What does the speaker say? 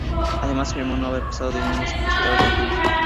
Además afirmó no haber pasado dinero a los opositores a Allende.